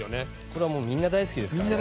これはもうみんな大好きですからね。